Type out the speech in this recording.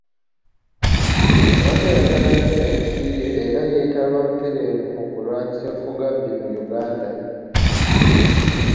Abadde ayagala nnyo ensi ye era yeetaba butereevu mu kulwanyisa effugabbi mu Uganda.